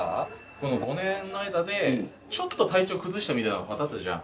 この５年の間でちょっと体調崩したみたいなことあったじゃん。